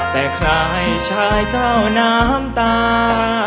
แต่ใครชายเจ้าน้ำตา